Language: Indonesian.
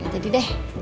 gak jadi deh